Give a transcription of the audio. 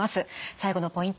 最後のポイント